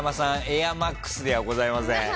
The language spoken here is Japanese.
エアＭＡＸではございません。